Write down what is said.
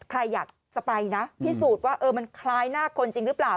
ใครอยากจะไปนะพิสูจน์ว่ามันคล้ายหน้าคนจริงหรือเปล่า